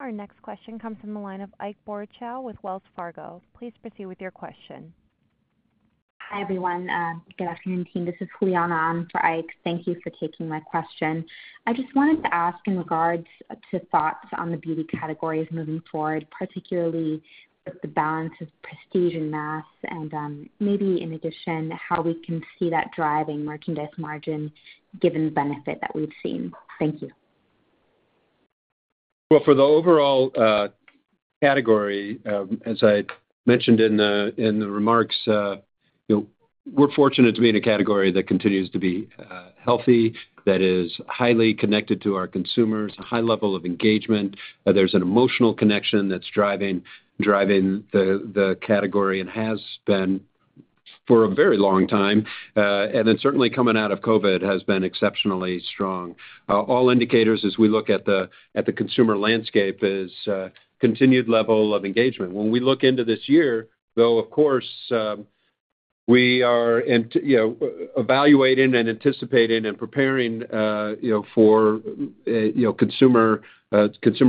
Our next question comes from the line of Ike Boruchow with Wells Fargo. Please proceed with your question. Hi, everyone. Good afternoon, team. This is Juliana on for Ike. Thank you for taking my question. I just wanted to ask in regards to thoughts on the beauty categories moving forward, particularly with the balance of prestige and mass, and maybe in addition, how we can see that driving merchandise margin given the benefit that we've seen. Thank you. Well, for the overall category, as I mentioned in the remarks, we're fortunate to be in a category that continues to be healthy, that is highly connected to our consumers, a high level of engagement. There's an emotional connection that's driving the category and has been for a very long time. And then certainly, coming out of COVID has been exceptionally strong. All indicators, as we look at the consumer landscape, is continued level of engagement. When we look into this year, though, of course, we are evaluating and anticipating and preparing for consumer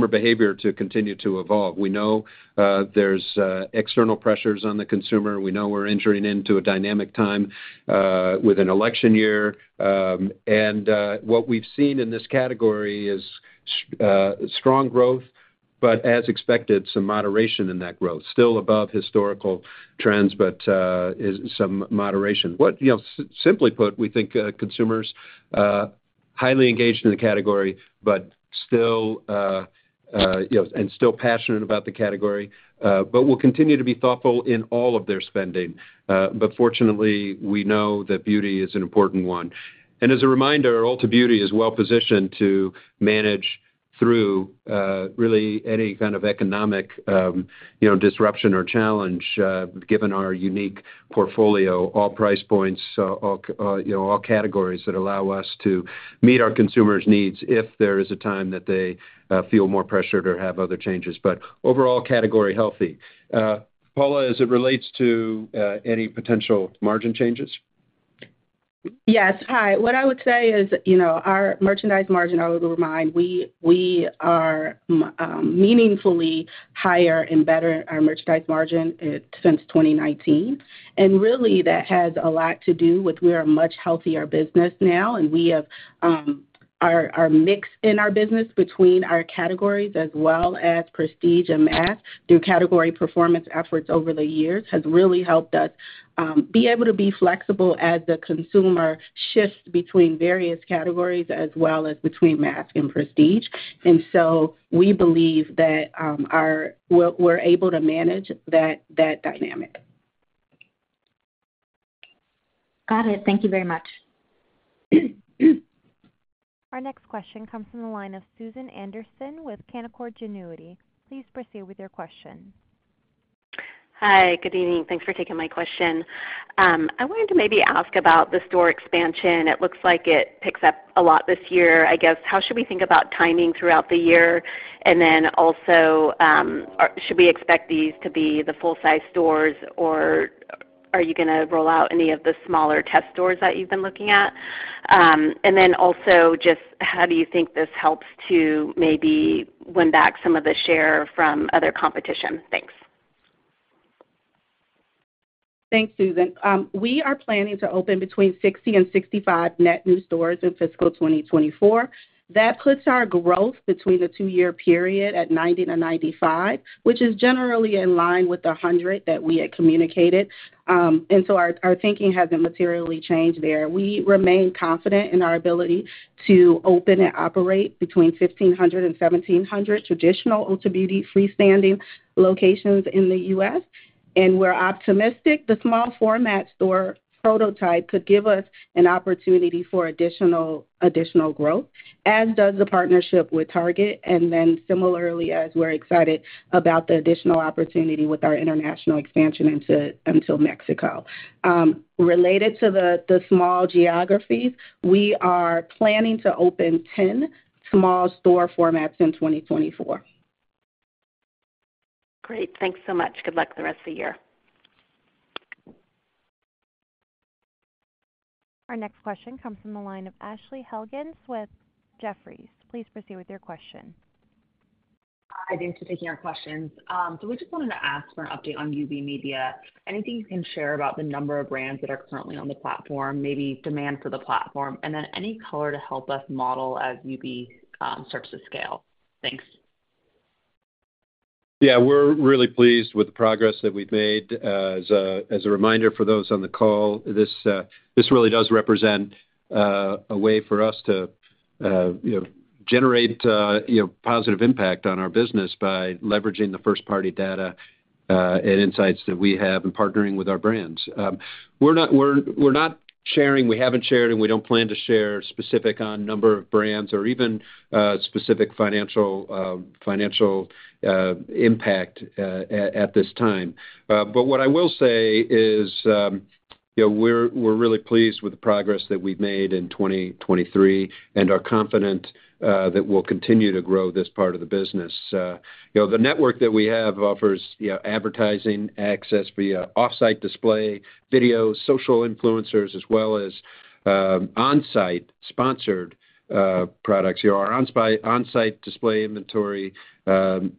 behavior to continue to evolve. We know there's external pressures on the consumer. We know we're entering into a dynamic time with an election year. And what we've seen in this category is strong growth, but as expected, some moderation in that growth, still above historical trends, but some moderation. Simply put, we think consumers are highly engaged in the category and still passionate about the category, but will continue to be thoughtful in all of their spending. But fortunately, we know that beauty is an important one. And as a reminder, Ulta Beauty is well-positioned to manage through really any kind of economic disruption or challenge, given our unique portfolio, all price points, all categories that allow us to meet our consumers' needs if there is a time that they feel more pressured or have other changes. But overall, category healthy. Paula, as it relates to any potential margin changes? Yes. Hi. What I would say is our Merchandise Margin, I would remind, we are meaningfully higher and better our Merchandise Margin since 2019. And really, that has a lot to do with we are a much healthier business now, and our mix in our business between our categories as well as prestige and mass through category performance efforts over the years has really helped us be able to be flexible as the consumer shifts between various categories as well as between mass and prestige. And so we believe that we're able to manage that dynamic. Got it. Thank you very much. Our next question comes from the line of Susan Anderson with Canaccord Genuity. Please proceed with your question. Hi. Good evening. Thanks for taking my question. I wanted to maybe ask about the store expansion. It looks like it picks up a lot this year. I guess, how should we think about timing throughout the year? And then also, should we expect these to be the full-size stores, or are you going to roll out any of the smaller test stores that you've been looking at? And then also, just how do you think this helps to maybe win back some of the share from other competition? Thanks. Thanks, Susan. We are planning to open between 60-65 net new stores in fiscal 2024. That puts our growth between the two-year period at 90-95, which is generally in line with the 100 that we had communicated. And so our thinking hasn't materially changed there. We remain confident in our ability to open and operate between 1,500-1,700 traditional Ulta Beauty freestanding locations in the U.S. And we're optimistic the small format store prototype could give us an opportunity for additional growth, as does the partnership with Target. And then similarly, as we're excited about the additional opportunity with our international expansion into Mexico. Related to the small geographies, we are planning to open 10 small store formats in 2024. Great. Thanks so much. Good luck the rest of the year. Our next question comes from the line of Ashley Helgans with Jefferies. Please proceed with your question. Hi. Thanks for taking our questions. So we just wanted to ask for an update on UB Media. Anything you can share about the number of brands that are currently on the platform, maybe demand for the platform, and then any color to help us model as UB starts to scale? Thanks. Yeah, we're really pleased with the progress that we've made. As a reminder for those on the call, this really does represent a way for us to generate positive impact on our business by leveraging the first-party data and insights that we have and partnering with our brands. We're not sharing, we haven't shared, and we don't plan to share specifics on number of brands or even specific financial impact at this time. But what I will say is we're really pleased with the progress that we've made in 2023 and are confident that we'll continue to grow this part of the business. The network that we have offers advertising access via off-site display, video, social influencers, as well as on-site sponsored products. Our on-site display inventory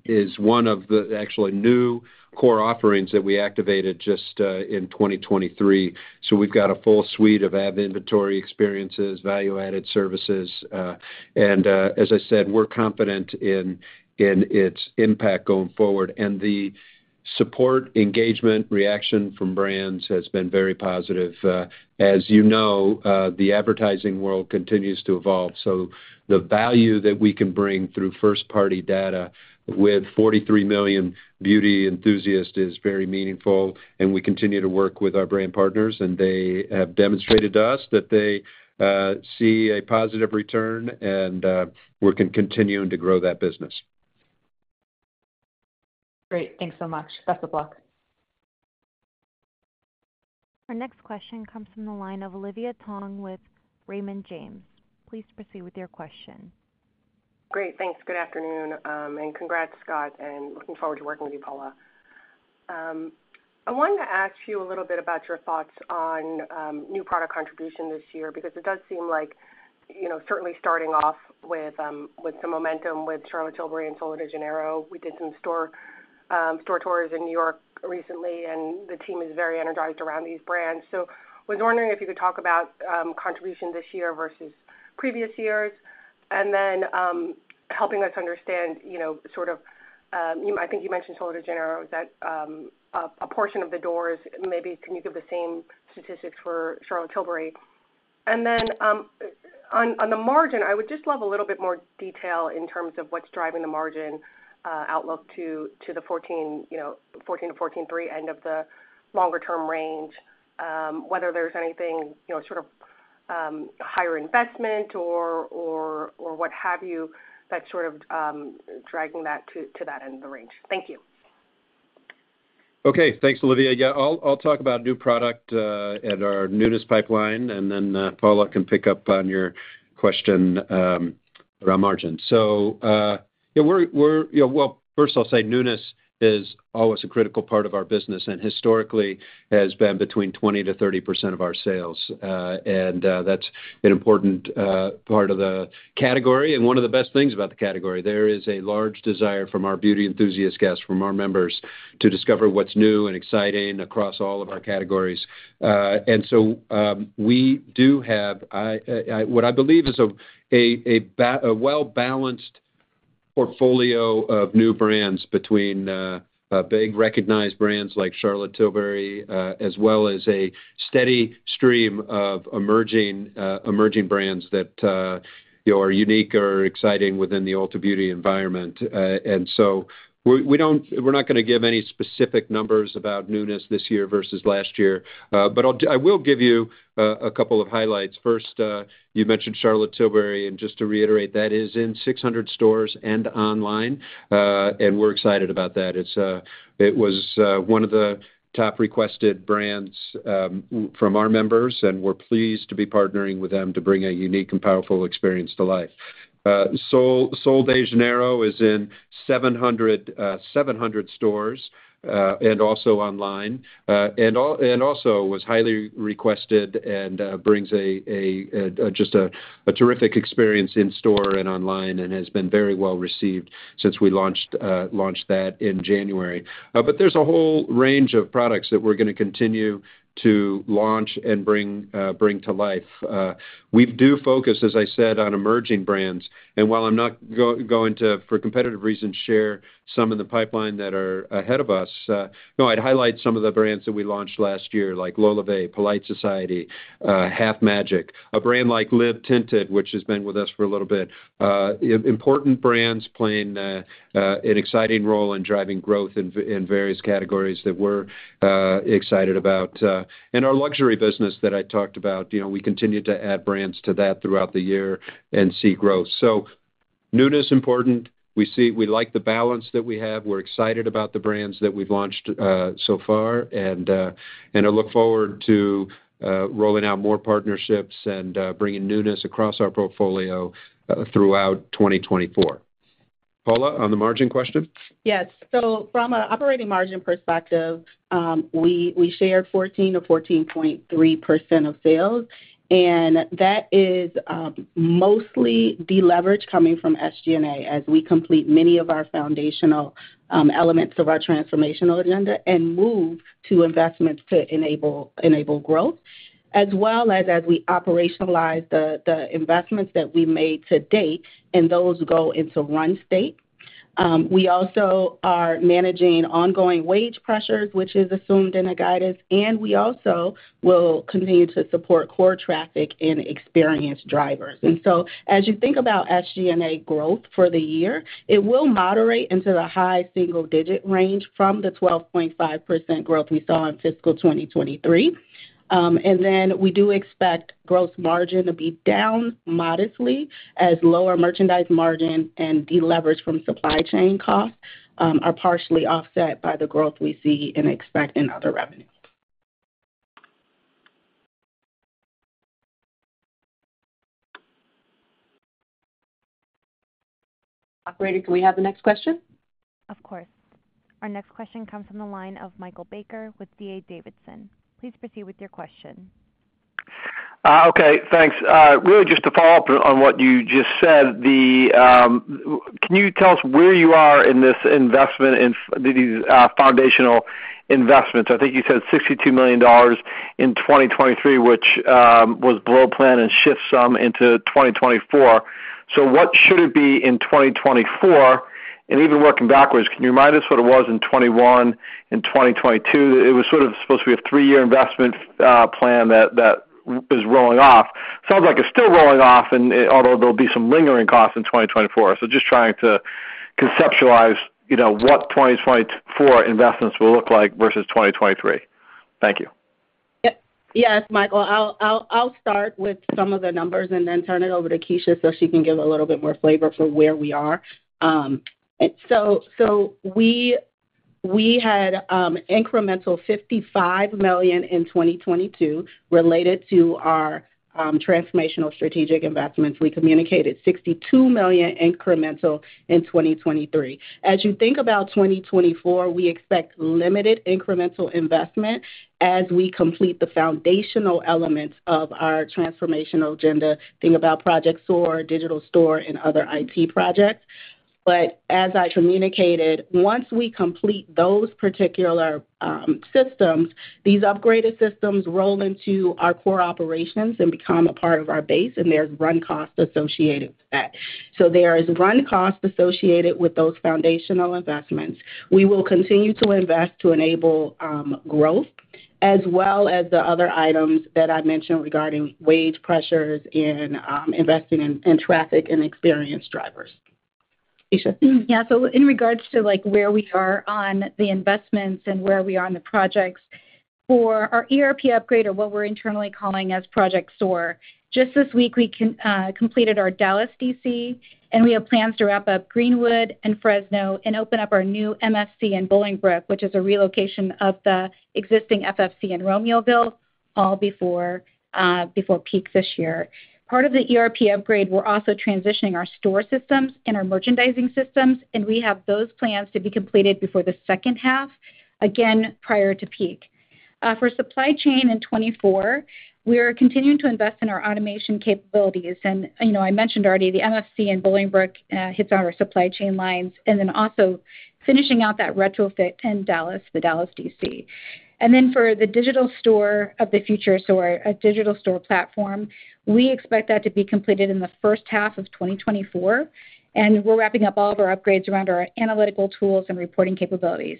is one of the actually new core offerings that we activated just in 2023. So we've got a full suite of ad inventory experiences, value-added services. And as I said, we're confident in its impact going forward. And the support, engagement, reaction from brands has been very positive. As you know, the advertising world continues to evolve. So the value that we can bring through first-party data with 43 million beauty enthusiasts is very meaningful. And we continue to work with our brand partners, and they have demonstrated to us that they see a positive return, and we're continuing to grow that business. Great. Thanks so much. Best of luck. Our next question comes from the line of Olivia Tong with Raymond James. Please proceed with your question. Great. Thanks. Good afternoon. Congrats, Scott, and looking forward to working with you, Paula. I wanted to ask you a little bit about your thoughts on new product contribution this year because it does seem like certainly starting off with some momentum with Charlotte Tilbury and Sol de Janeiro. We did some store tours in New York recently, and the team is very energized around these brands. So I was wondering if you could talk about contribution this year versus previous years and then helping us understand sort of I think you mentioned Sol de Janeiro. Is that a portion of the doors? Maybe can you give the same statistics for Charlotte Tilbury? Then on the margin, I would just love a little bit more detail in terms of what's driving the margin outlook to the 14%-14.3% end of the longer-term range, whether there's anything sort of higher investment or what have you that's sort of dragging that to that end of the range. Thank you. Okay. Thanks, Olivia. Yeah, I'll talk about new product and our newness pipeline, and then Paula can pick up on your question around margin. So yeah, well, first, I'll say newness is always a critical part of our business and historically has been between 20%-30% of our sales. And that's an important part of the category. And one of the best things about the category, there is a large desire from our beauty enthusiast guests, from our members, to discover what's new and exciting across all of our categories. And so we do have what I believe is a well-balanced portfolio of new brands between big, recognized brands like Charlotte Tilbury, as well as a steady stream of emerging brands that are unique or exciting within the Ulta Beauty environment. We're not going to give any specific numbers about newness this year versus last year. I will give you a couple of highlights. First, you mentioned Charlotte Tilbury. Just to reiterate, that is in 600 stores and online. We're excited about that. It was one of the top requested brands from our members, and we're pleased to be partnering with them to bring a unique and powerful experience to life. Sol de Janeiro is in 700 stores and also online and also was highly requested and brings just a terrific experience in-store and online and has been very well received since we launched that in January. There's a whole range of products that we're going to continue to launch and bring to life. We do focus, as I said, on emerging brands. While I'm not going to, for competitive reasons, share some in the pipeline that are ahead of us, no, I'd highlight some of the brands that we launched last year, like LolaVie, Polite Society, Half Magic, a brand like Live Tinted, which has been with us for a little bit. Important brands playing an exciting role in driving growth in various categories that we're excited about. Our luxury business that I talked about, we continue to add brands to that throughout the year and see growth. So newness is important. We like the balance that we have. We're excited about the brands that we've launched so far, and I look forward to rolling out more partnerships and bringing newness across our portfolio throughout 2024. Paula, on the margin question? Yes. So from an operating margin perspective, we shared 14%-14.3% of sales. And that is mostly deleveraged coming from SG&A as we complete many of our foundational elements of our transformational agenda and move to investments to enable growth, as well as as we operationalize the investments that we made to date, and those go into run state. We also are managing ongoing wage pressures, which is assumed in a guidance. And we also will continue to support core traffic and experienced drivers. And so as you think about SG&A growth for the year, it will moderate into the high single-digit range from the 12.5% growth we saw in fiscal 2023. And then we do expect gross margin to be down modestly as lower merchandise margin and deleverage from supply chain costs are partially offset by the growth we see and expect in other revenue. Operator, can we have the next question? Of course. Our next question comes from the line of Michael Baker with D.A. Davidson. Please proceed with your question. Okay. Thanks. Really, just to follow up on what you just said, can you tell us where you are in this foundational investment? So I think you said $62 million in 2023, which was below plan and shifts some into 2024. So, what should it be in 2024? And even working backwards, can you remind us what it was in 2021 and 2022? It was sort of supposed to be a three-year investment plan that is rolling off. Sounds like it's still rolling off, although there'll be some lingering costs in 2024. So just trying to conceptualize what 2024 investments will look like versus 2023. Thank you. Yes, Michael. I'll start with some of the numbers and then turn it over to Kecia so she can give a little bit more flavor for where we are. So we had incremental $55 million in 2022 related to our transformational strategic investments. We communicated $62 million incremental in 2023. As you think about 2024, we expect limited incremental investment as we complete the foundational elements of our transformational agenda, think about Project SOAR, Digital Store, and other IT projects. But as I communicated, once we complete those particular systems, these upgraded systems roll into our core operations and become a part of our base, and there's run cost associated with that. So there is run cost associated with those foundational investments. We will continue to invest to enable growth, as well as the other items that I mentioned regarding wage pressures and investing in traffic and experienced drivers. Kecia? Yeah. So in regards to where we are on the investments and where we are in the projects, for our ERP upgrade, or what we're internally calling as Project SOAR, just this week, we completed our Dallas DC, and we have plans to wrap up Greenwood and Fresno and open up our new MFC in Bolingbrook, which is a relocation of the existing FFC in Romeoville, all before peak this year. Part of the ERP upgrade, we're also transitioning our store systems and our merchandising systems, and we have those plans to be completed before the second half, again, prior to peak. For supply chain in 2024, we are continuing to invest in our automation capabilities. And I mentioned already, the MFC in Bolingbrook hits on our supply chain lines and then also finishing out that retrofit in Dallas, the Dallas DC. Then for the Digital Store of the Future, so our Digital Store platform, we expect that to be completed in the first half of 2024. We're wrapping up all of our upgrades around our analytical tools and reporting capabilities.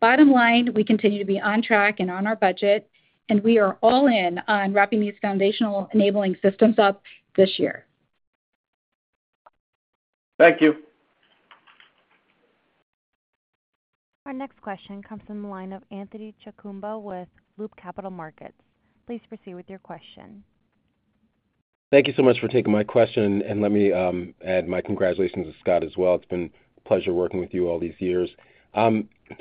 Bottom line, we continue to be on track and on our budget, and we are all in on wrapping these foundational enabling systems up this year. Thank you. Our next question comes from the line of Anthony Chukumba with Loop Capital Markets. Please proceed with your question. Thank you so much for taking my question, and let me add my congratulations to Scott as well. It's been a pleasure working with you all these years.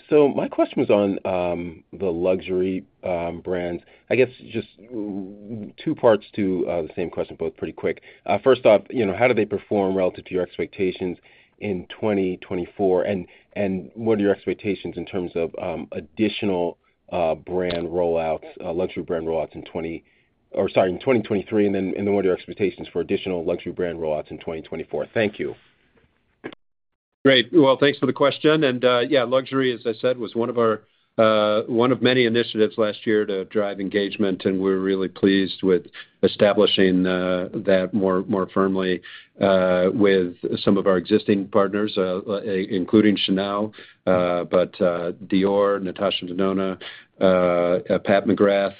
So my question was on the luxury brands. I guess just two parts to the same question, both pretty quick. First off, how do they perform relative to your expectations in 2024? And what are your expectations in terms of additional luxury brand rollouts in 2020 or sorry, in 2023? And then what are your expectations for additional luxury brand rollouts in 2024? Thank you. Great. Well, thanks for the question. And yeah, luxury, as I said, was one of many initiatives last year to drive engagement, and we're really pleased with establishing that more firmly with some of our existing partners, including Chanel, but Dior, Natasha Denona, Pat McGrath.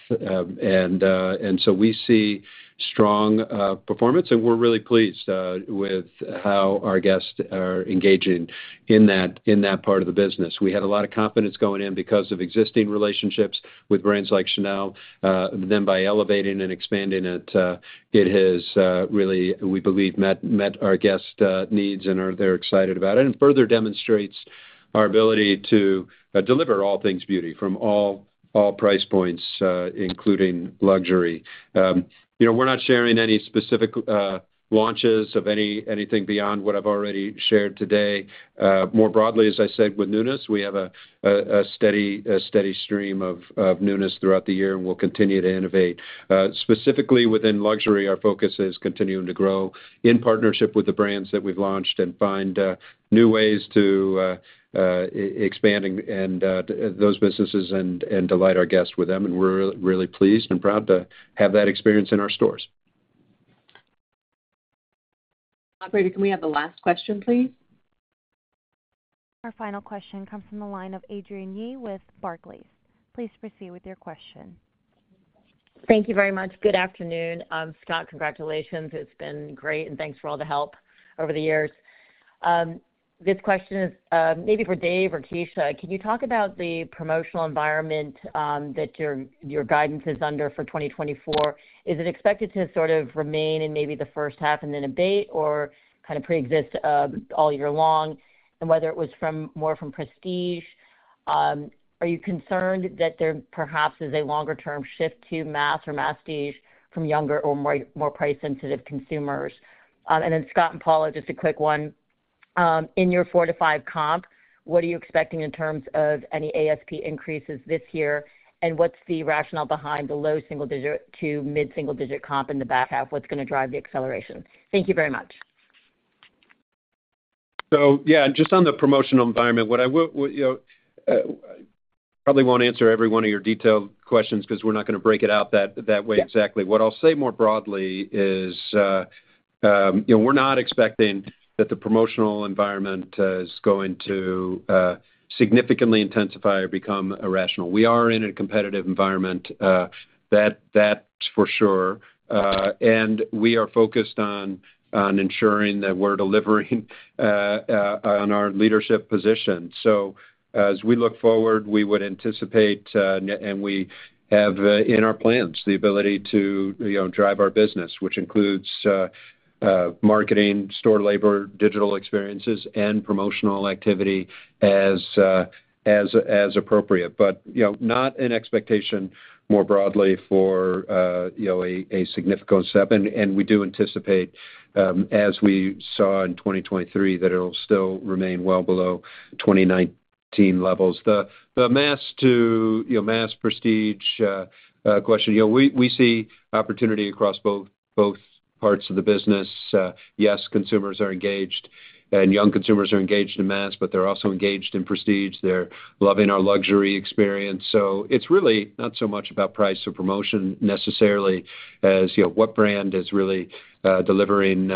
And so we see strong performance, and we're really pleased with how our guests are engaging in that part of the business. We had a lot of confidence going in because of existing relationships with brands like Chanel. Then by elevating and expanding it, it has really, we believe, met our guest needs and they're excited about it. Further demonstrates our ability to deliver all things beauty from all price points, including luxury. We're not sharing any specific launches of anything beyond what I've already shared today. More broadly, as I said, with newness, we have a steady stream of newness throughout the year, and we'll continue to innovate. Specifically within luxury, our focus is continuing to grow in partnership with the brands that we've launched and find new ways to expand those businesses and delight our guests with them. We're really pleased and proud to have that experience in our stores. Operator, can we have the last question, please? Our final question comes from the line of Adrienne Yih with Barclays. Please proceed with your question. Thank you very much. Good afternoon, Scott. Congratulations. It's been great, and thanks for all the help over the years. This question is maybe for Dave or Kecia. Can you talk about the promotional environment that your guidance is under for 2024? Is it expected to sort of remain in maybe the first half and then abate, or kind of preexist all year long? And whether it was more from prestige, are you concerned that there perhaps is a longer-term shift to mass or masstige from younger or more price-sensitive consumers? And then Scott and Paula, just a quick one. In your 4-5 comp, what are you expecting in terms of any ASP increases this year? And what's the rationale behind the low single-digit to mid-single-digit comp in the back half? What's going to drive the acceleration? Thank you very much. So yeah, just on the promotional environment, what I probably won't answer every one of your detailed questions because we're not going to break it out that way exactly. What I'll say more broadly is we're not expecting that the promotional environment is going to significantly intensify or become irrational. We are in a competitive environment, that for sure. And we are focused on ensuring that we're delivering on our leadership position. So as we look forward, we would anticipate, and we have in our plans, the ability to drive our business, which includes marketing, store labor, digital experiences, and promotional activity as appropriate, but not an expectation more broadly for a significant step. And we do anticipate, as we saw in 2023, that it'll still remain well below 2019 levels. The mass-prestige question, we see opportunity across both parts of the business. Yes, consumers are engaged, and young consumers are engaged in mass, but they're also engaged in prestige. They're loving our luxury experience. So it's really not so much about price or promotion necessarily as what brand is really delivering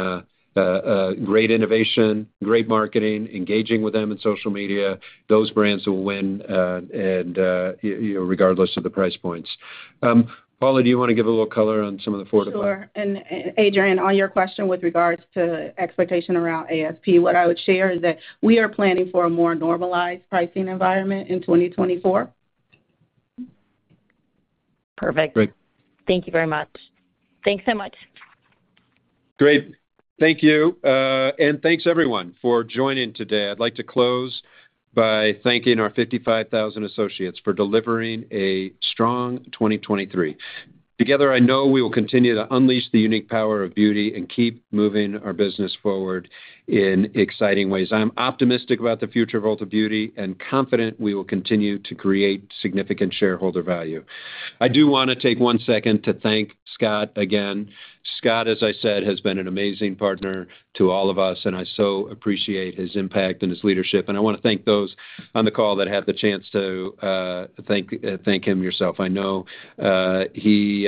great innovation, great marketing, engaging with them in social media. Those brands will win regardless of the price points. Paula, do you want to give a little color on some of the 4 to 5? Sure. Adrianne, on your question with regards to expectation around ASP, what I would share is that we are planning for a more normalized pricing environment in 2024. Perfect. Great. Thank you very much. Thanks so much. Great. Thank you. Thanks, everyone, for joining today. I'd like to close by thanking our 55,000 associates for delivering a strong 2023. Together, I know we will continue to unleash the unique power of beauty and keep moving our business forward in exciting ways. I'm optimistic about the future of Ulta Beauty and confident we will continue to create significant shareholder value. I do want to take one second to thank Scott again. Scott, as I said, has been an amazing partner to all of us, and I so appreciate his impact and his leadership. I want to thank those on the call that had the chance to thank him yourself. I know he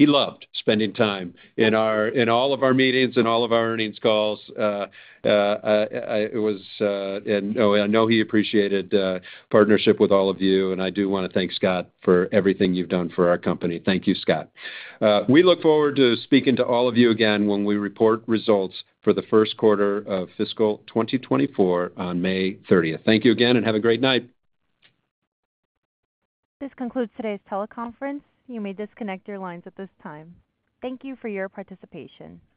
loved spending time in all of our meetings and all of our earnings calls. It was, and I know he appreciated partnership with all of you. I do want to thank Scott for everything you've done for our company. Thank you, Scott. We look forward to speaking to all of you again when we report results for the first quarter of fiscal 2024 on May 30th. Thank you again, and have a great night. This concludes today's teleconference. You may disconnect your lines at this time. Thank you for your participation.